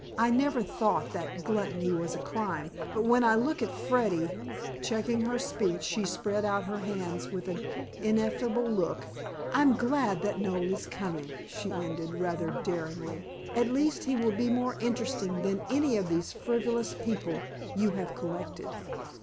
I never thought that gluttony was a crime. But when I look at Freddy" checking her speech, she spread out her hands with an ineffable look "I'm glad that Noel is coming," she ended, rather daringly. "At least he will be more interesting than any of these frivolous people you have collected."